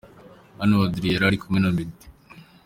Hano Adrien yari kumwe na Meddy.